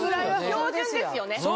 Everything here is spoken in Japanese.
標準ですよね。